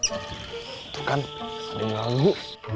itu kan ada yang nganggu